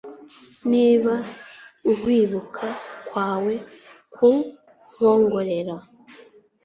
niba kwibuka kwawe kukwongorera